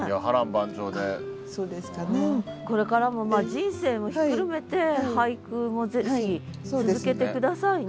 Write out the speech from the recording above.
これからも人生もひっくるめて俳句もぜひ続けて下さいね。